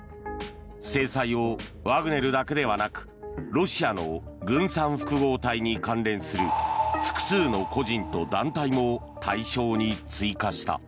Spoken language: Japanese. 制裁をワグネルだけではなくロシアの軍産複合体に関連する複数の個人と団体も対象に追加した。